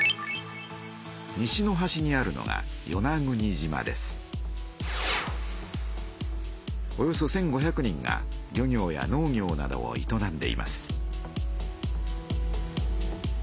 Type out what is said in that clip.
西のはしにあるのがおよそ１，５００人が漁業や農業などをいとなんでいます。